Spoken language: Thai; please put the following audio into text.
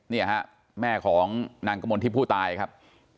เนี่ยฮะแม่ของนางกมลทิพย์ผู้ตายครับ